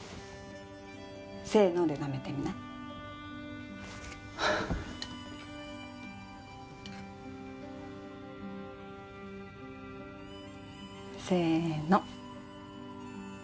せーのでなめてみない？せーの！